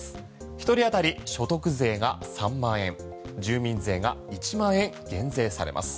１人当たり所得税が３万円住民税が１万円減税されます。